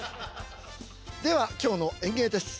では今日の演芸です。